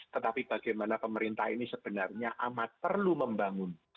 tetapi bagaimana pemerintah ini sebenarnya amat perlu membangun